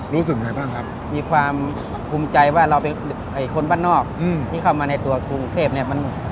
รู้สึกไงบ้างครับมีความภูมิใจว่าเราคนบ้านนอกที่เข้ามาในตัวกรุงเทพเนี่ยมัน